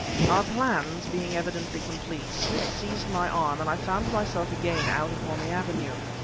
Our plans being evidently complete, Smith seized my arm, and I found myself again out upon the avenue.